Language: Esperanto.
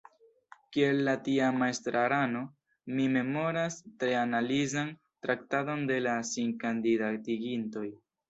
Kiel la tiama estrarano mi memoras tre analizan traktadon de la sinkandidatigintoj.